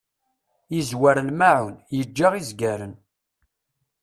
Yezzwer lmaεun, yegga izgaren.